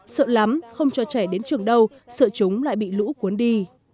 sợ lắm không cho trẻ đến trường đâu sợ chúng lại bị lũ cuốn đi